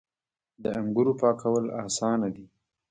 د انګورو پاکول اسانه دي.